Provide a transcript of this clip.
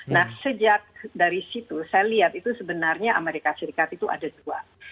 nah sejak dari situ saya lihat itu sebenarnya amerika serikat itu ada dua